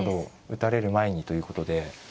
打たれる前にということで。